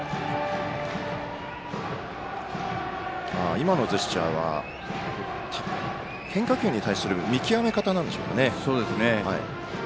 今のジェスチャーは変化球に対する見極め方なんでしょうかね。